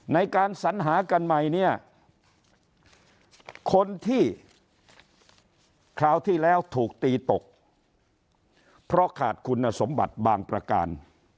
ในการสัญหากันใหม่เนี่ยคนที่คราวที่แล้วถูกตีตกเพราะขาดคุณสมบัติบางประการ